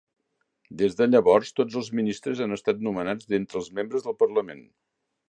Des de llavors, tots els ministres han estat nomenats d'entre els membres del Parlament.